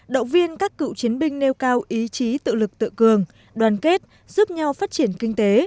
động viên các cựu chiến binh nêu cao ý chí tự lực tự cường đoàn kết giúp nhau phát triển kinh tế